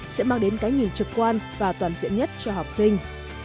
sẽ mang đến cái nhìn trực quan và toàn diện nhất cho học sinh